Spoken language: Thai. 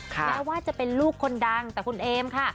แม้ว่าจะเป็นลูกคนดังแต่คุณเอมค่ะ